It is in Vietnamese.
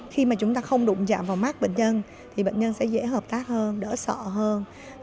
khi mà chúng ta không đụng chạm vào mắt bệnh nhân thì bệnh nhân sẽ dễ hợp tác hơn đỡ sọ hơn